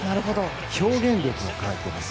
表現力も変えています。